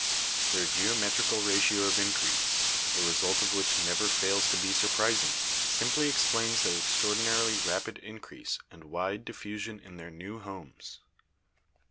Their geometrical ratio of increase, the result of which never fails to be surprising, simply ex plains their extraordinarily rapid increase and wide diffu sion in their new homes.